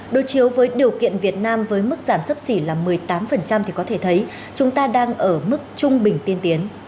đối chiếu với điều kiện việt nam với mức giảm sấp xỉ là một mươi tám thì có thể thấy chúng ta đang ở mức trung bình tiên tiến